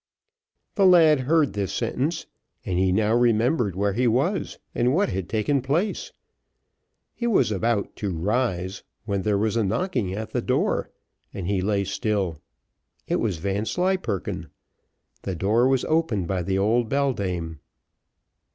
The lad heard this sentence, and he now remembered where he was, and what had taken place. He was about to rise, when there was a knocking at the door, and he lay still. It was Vanslyperken. The door was opened by the old beldame.